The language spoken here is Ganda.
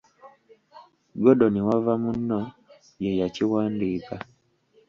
Gordon Wavamunno ye yakiwandiika.